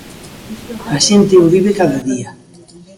A xente o vive cada día.